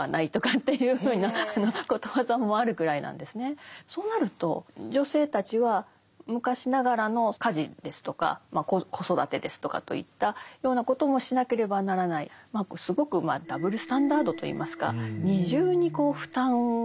ところがそうなると女性たちは昔ながらの家事ですとか子育てですとかといったようなこともしなければならないすごくダブルスタンダードといいますか二重に負担が課せられていたんですね。